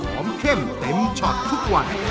เข้มเต็มช็อตทุกวัน